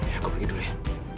ya aku pergi dulu ya